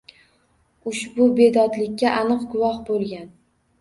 Ushbu bedodlikka aniq guvoh bo’lgan.